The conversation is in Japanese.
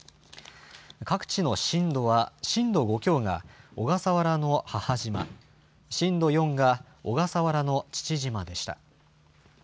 各地の震度は、震度５強が小笠原の母島、震度４が小笠原の父島でした。